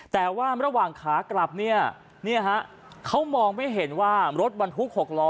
แต่ว่าระหว่างขากลับเนี่ยฮะเขามองไม่เห็นว่ารถบรรทุก๖ล้อ